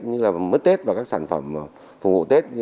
như là mứt tết và các sản phẩm phục vụ tết